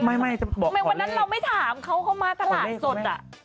ทำไมวันนั้นเราไม่ถามเขาเขามาตลาดสดอ่ะ